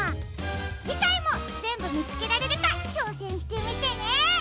じかいもぜんぶみつけられるかちょうせんしてみてね！